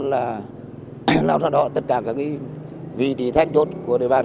là lắp đặt tất cả các vị trí thách chốt của địa bàn